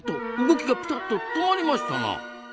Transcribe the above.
動きがピタッと止まりましたな！